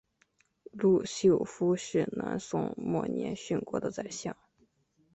陆秀夫是南宋末年殉国的宰相。